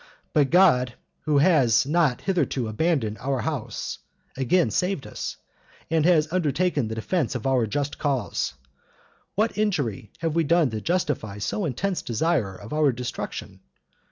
But God, who has not hitherto abandoned our house, again saved us, and has undertaken the defense of our just cause. What injury have we done to justify so intense desire of our destruction?